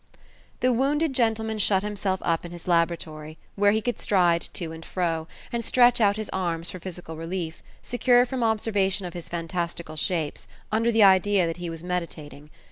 The wounded gentleman shut himself up in his laboratory, where he could stride to and fro, and stretch out his arms for physical relief, secure from observation of his fantastical shapes, under the idea that he was meditating.